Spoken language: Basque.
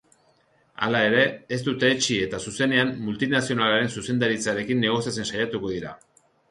Hala ere, ez dute etsi eta zuzenean multinazionalaren zuzendaritzarekin negoziatzen saiatuko dira.